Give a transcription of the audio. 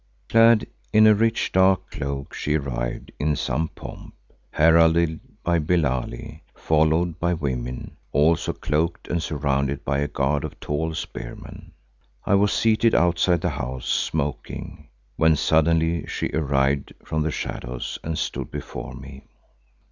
Clad in a rich, dark cloak she arrived in some pomp, heralded by Billali, followed by women, also cloaked, and surrounded by a guard of tall spearmen. I was seated outside the house, smoking, when suddenly she arrived from the shadows and stood before me.